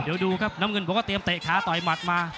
เดี๋ยวดูครับน้ำเงินผมก็เตรียมเตะขาต่อยหมัดมา